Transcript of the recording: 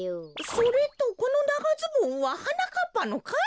それとこのながズボンははなかっぱのかい？